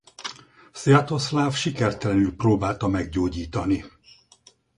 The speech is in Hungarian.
Szvjatoszláv sikertelenül próbálta meggyógyítani.